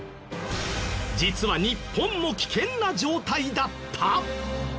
実は日本も危険な状態だった！？